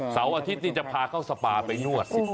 เสาร์อาทิตย์นี่จะพาเข้าสปาไปนวด